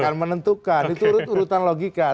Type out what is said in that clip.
akan menentukan itu urutan urutan logika